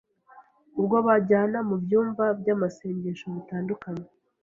Ubwo banjyana mu byumba by’amasengesho bitandukanye